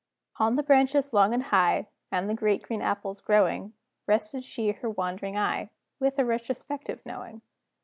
On the branches long and high, And the great green apples growing, Rested she her wandering eye, With a retrospective knowing.